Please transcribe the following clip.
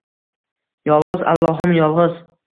Yolgʻiz allohim, yolgʻiz.